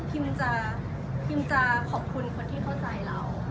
พิมจะขอบคุณคนที่เข้าใจเรา